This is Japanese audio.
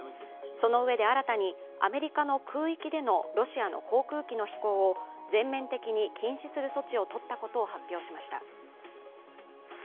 そのうえで、新たにアメリカの空域でのロシアの航空機の飛行を全面的に禁止する措置を取ったことを発表しました。